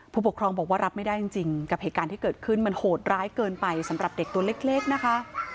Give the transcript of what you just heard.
ผู้ปกครองบอกว่ารับไม่ได้จริงกับเหตุการณ์ที่เกิดขึ้นมันโหดร้ายเกินไปสำหรับเด็กตัวเล็กนะคะ